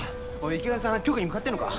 池上さんは局に向かってんのか？